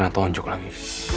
karena tonjuk lagi